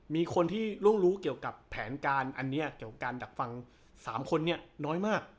มีคนที่ร่วงรู้เกี่ยวกับแผนการอันนี้เกี่ยวกับการดักฟัง๓คนนี้น้อยมาก